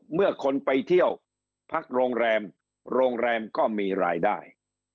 เมื่อคนไปเที่ยวพักโรงแรมโรงแรมก็มีรายได้